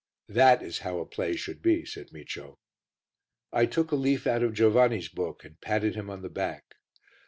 "That is how a play should be," said Micio. I took a leaf out of Giovanni's book and patted him on the back.